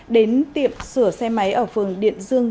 đến tiệm sửa xe máy ở phường điện dương